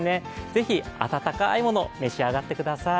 是非温かいもの、召し上がってください。